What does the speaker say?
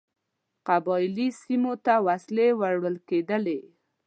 قبایلي سیمو ته وسلې وړلې کېدلې.